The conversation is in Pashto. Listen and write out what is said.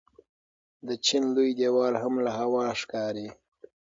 د چین لوی دیوال هم له هوا ښکاري.